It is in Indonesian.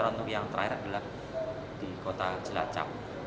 lalu yang terakhir adalah di kota cilacap